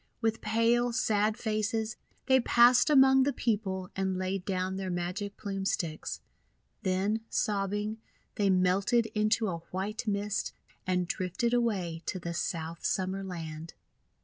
With pale, sad faces they passed among the people and laid down their Magic Plume Sticks. Then, sobbing, they melted into a white mist, and drifted away to the South Summer Land.